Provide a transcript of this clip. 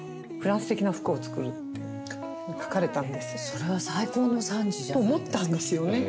それは最高の賛辞じゃないですか。と思ったんですよね。